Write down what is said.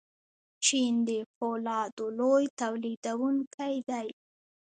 چین د فولادو لوی تولیدونکی دی.